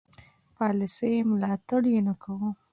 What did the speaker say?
پالیسي ملاتړ یې نه کاوه.